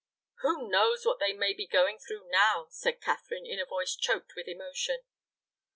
"Who knows what they may be going through now!" said Catherine, in a voice choked with emotion.